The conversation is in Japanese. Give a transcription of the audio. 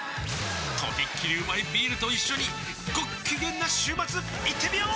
とびっきりうまいビールと一緒にごっきげんな週末いってみよー！